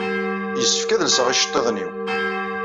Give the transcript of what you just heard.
Yessefk ad lseɣ iceṭṭiḍen-iw.